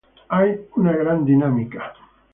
Hay una gran dinámica.